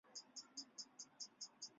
克里米亚鞑靼人的先祖？